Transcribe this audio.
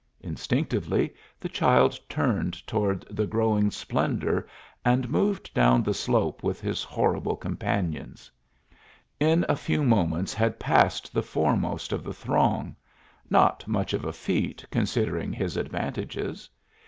Instinctively the child turned toward the growing splendor and moved down the slope with his horrible companions; in a few moments had passed the foremost of the throng not much of a feat, considering his advantages.